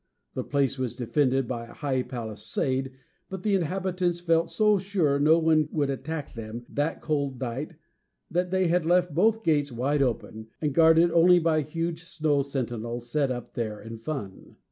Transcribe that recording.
The place was defended by a high palisade, but the inhabitants felt so sure no one would attack them that cold night, that they had left both gates wide open, and guarded only by huge snow sentinels set up there in fun.